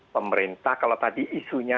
pemerintah kalau tadi isunya